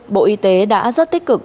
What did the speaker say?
bộ y tế đã rất tích cực